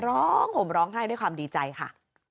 ร้องผมร้องให้ด้วยความดีใจค่ะ